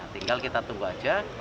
tinggal kita tunggu saja